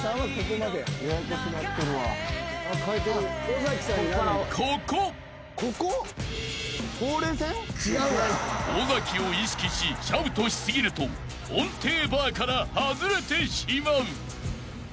［尾崎を意識しシャウトし過ぎると音程バーから外れてしまう］